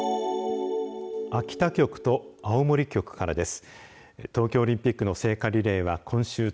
秋田局と青森局からです。